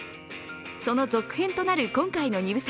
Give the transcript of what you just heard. その続編となる今回の２部作